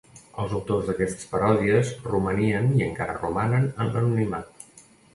Els autors d'aquestes paròdies romanien i encara romanen en l'anonimat.